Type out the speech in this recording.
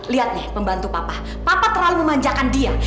lihat nih pembantu papa papa terlalu memanjakan dia